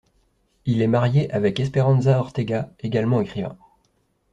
Il est marié avec Esperanza Ortega également écrivain.